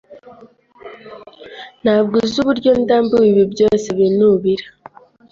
Ntabwo uzi uburyo ndambiwe ibi byose binubira.